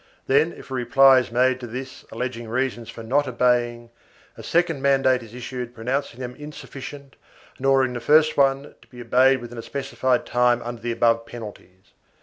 Then, if a reply is made to this alleging reasons for not obeying, a second mandate is issued pronouncing them insufficient and ordering the first one to be obeyed within a specified time under the above penalties.